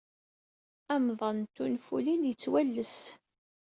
Amḍan n tenfulin yettwalesses.